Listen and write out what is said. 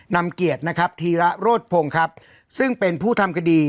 นำเกียรตินะครับธีระโรธพงศ์ครับซึ่งเป็นผู้ทำคดี